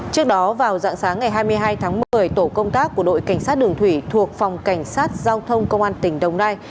trước đó vào dạng sáng ngày hai mươi hai tháng một mươi tổ công tác của đội cảnh sát đường thủy thuộc phòng cảnh sát giao thông công an tỉnh đồng nai